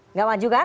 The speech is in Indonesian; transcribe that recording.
nggak maju kan